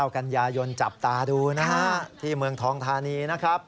กันยายนจับตาดูนะฮะที่เมืองทองธานีนะครับ